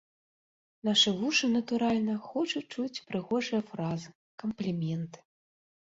Нашы вушы, натуральна, хочуць чуць прыгожыя фразы, кампліменты.